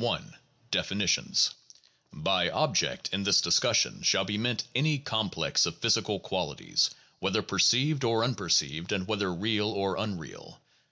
I. Definitions By object in this discussion shall be meant any complex of phys ical qualities, whether perceived or unperceived and whether real or unreal.